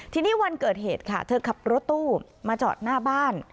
ทีนี้วันเกิดเหตุค่ะเธอขับรถตู้มาจอดหน้าบ้าน